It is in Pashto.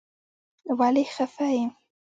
ولې خفه يې.